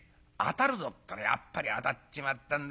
ったらやっぱりあたっちまったんだ。